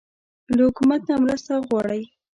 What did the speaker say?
له حکومت نه مرسته غواړئ؟